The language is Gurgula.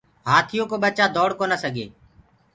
هآٿيو ڪو ڀچآ دوڙ ڪونآ سگي ۔